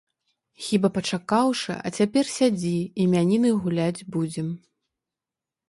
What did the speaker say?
Хіба пачакаўшы, а цяпер сядзі, імяніны гуляць будзем.